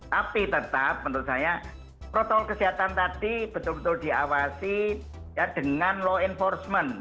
tapi tetap menurut saya protokol kesehatan tadi betul betul diawasi dengan law enforcement